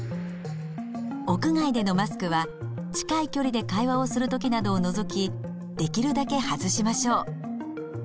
屋外でのマスクは近い距離で会話をする時などを除きできるだけ外しましょう。